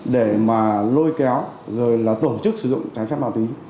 để mà lôi kéo rồi là tổ chức sử dụng trái phép ma túy